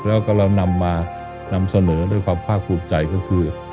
แล้วก็เรานำมานำเสนอด้วยความภาคภูมิใจก็คือ